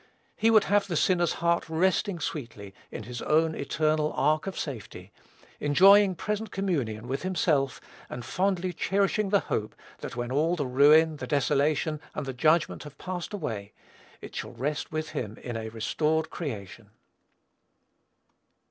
He would have the sinner's heart resting sweetly in his own eternal Ark of safety, enjoying present communion with himself, and fondly cherishing the hope, that, when all the ruin, the desolation, and the judgment have passed away, it shall rest with him in a restored creation.